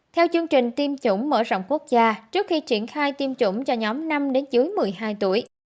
theo chương trình tiêm chủng mở rộng quốc gia trước khi triển khai tiêm chủng cho nhóm năm đến dưới một mươi hai tuổi